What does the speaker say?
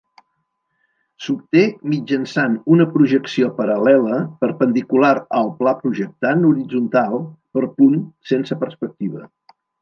S'obté mitjançant una projecció paral·lela, perpendicular al pla projectant horitzontal, per punt, sense perspectiva.